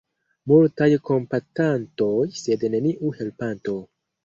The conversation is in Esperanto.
Multaj kompatantoj, sed neniu helpanto.